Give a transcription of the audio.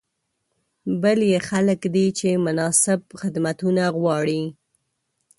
بل یې خلک دي چې مناسب خدمتونه غواړي.